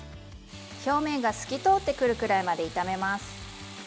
表面が透き通ってくるくらいまで炒めます。